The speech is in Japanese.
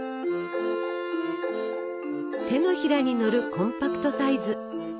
手のひらにのるコンパクトサイズ。